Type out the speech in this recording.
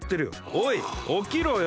おいおきろよ。